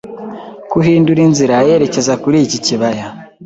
Guhindura inzira yerekeza kuri iki kibaya